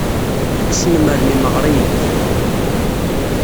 Ad k-snemmren yimeɣriyen-ik.